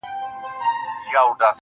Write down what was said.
• د وحشت؛ په ښاریه کي زندگي ده.